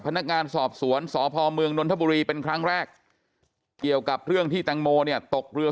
พนักงานสอบสวนสพเมืองนนทบุรีเป็นครั้งแรกเกี่ยวกับเรื่องที่แตงโมเนี่ยตกเรือ